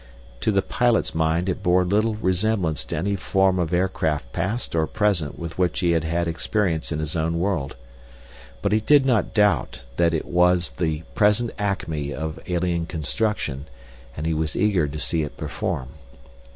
To the pilot's mind it bore little resemblance to any form of aircraft past or present with which he had had experience in his own world. But he did not doubt that it was the present acme of alien construction, and he was eager to see it perform.